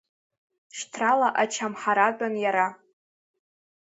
Шьҭрала Ачамҳаратәын иара.